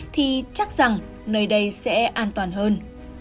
thì chắc rằng nơi đây sẽ an toàn hơn